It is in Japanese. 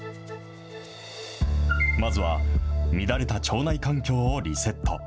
まずは、乱れた腸内環境をリセット。